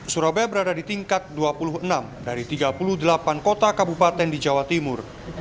surabaya berada di tingkat dua puluh enam dari tiga puluh delapan kota kabupaten di jawa timur